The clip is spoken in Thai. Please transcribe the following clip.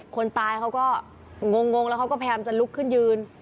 คนตายเขาก็งงแล้วเขาก็พยายามจะลุกขึ้นยืน